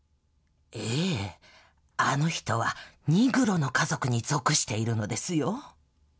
ええ、あの人はニグロの家族に属しているのですよ。